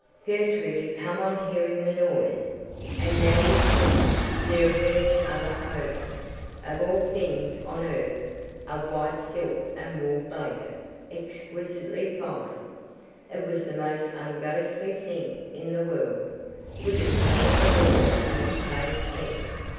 Gertrude had come on hearing the noise, and now we stood, staring at each other over—of all things on earth—a white silk and wool blanket, exquisitely fine! It was the most unghostly thing in the world, with its lavender border and its faint scent.